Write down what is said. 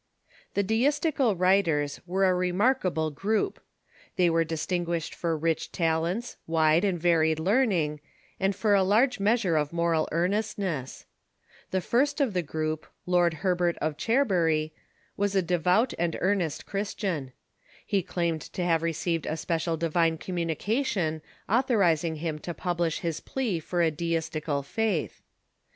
Tlie Deistical writers were a remarkable group. They were distinguished for rich talents, wide and varied learning, and for a large measure of moral earnestness. The Wrhe'rs ^^^^^^^^^*^ g^'^np? Lord Herbert of Cherbury, was a devout and earnest Christian. He claimed to have received a special divine communication authorizing him to publish his plea for a Deistical faith.